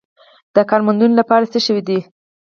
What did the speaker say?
د کار موندنې لپاره څه شوي دي؟